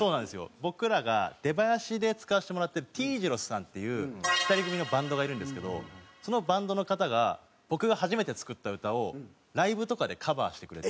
僕らが出囃子で使わせてもらってるＴ字路ｓさんっていう２人組のバンドがいるんですけどそのバンドの方が僕が初めて作った歌をライブとかでカバーしてくれて。